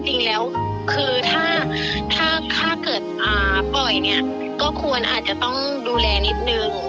จริงแล้วคือถ้าเกิดปล่อยเนี่ยก็ควรอาจจะต้องดูแลนิดนึง